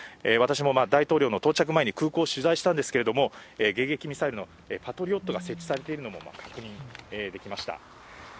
私も大統領の到着前に空港を取材したんですけれども、迎撃ミサイルのパトリオットが設置されているのも確認できました。